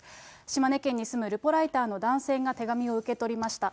島根県に住むルポライターの男性が手紙を受け取りました。